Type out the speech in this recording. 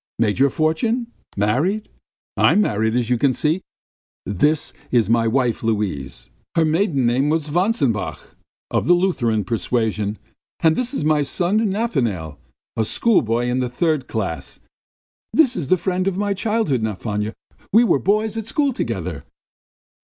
Made your fortune? Married? I am married as you see. ... This is my wife Luise, her maiden name was Vantsenbach ... of the Lutheran persuasion. ... And this is my son Nafanail, a schoolboy in the third class. This is the friend of my childhood, Nafanya. We were boys at school together!"